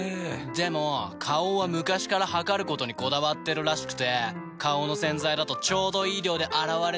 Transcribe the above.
でも花王は昔から量ることにこだわってるらしくて花王の洗剤だとちょうどいい量で洗われてるなって。